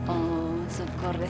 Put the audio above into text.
oh syukur deh